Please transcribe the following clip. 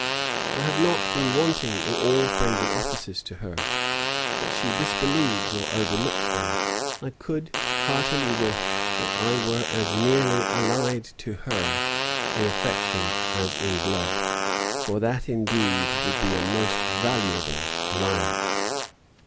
I have not been wanting in all friendly offices to her; but she disbelieves or overlooks them. I could heartily wish that I were as nearly allied to her in affection as in blood; for that indeed would be a most valuable alliance."